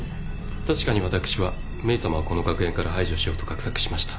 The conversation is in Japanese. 確かに私はメイさまをこの学園から排除しようと画策しました。